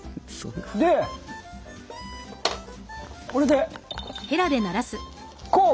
でこれでこう！